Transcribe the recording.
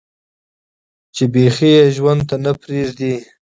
چې بيخي ئې ژوند ته نۀ پرېږدي